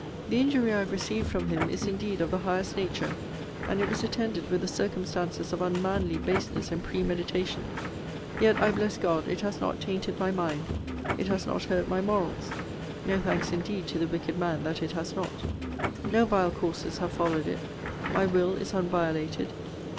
The injury I have received from him is indeed of the highest nature, and it was attended with circumstances of unmanly baseness and premeditation; yet, I bless God, it has not tainted my mind; it has not hurt my morals. No thanks indeed to the wicked man that it has not. No vile courses have followed it. My will is unviolated.